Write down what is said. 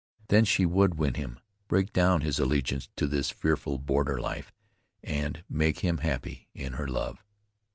Then she would win him, break down his allegiance to this fearful border life, and make him happy in her love.